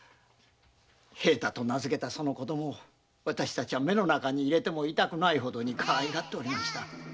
「平太」と名付けたその子供を私たちは目の中に入れても痛くないほどにかわいがっておりました。